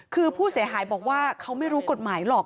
คือผู้เสียหายบอกว่าเขาไม่รู้กฎหมายหรอก